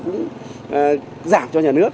cũng giảm cho nhà nước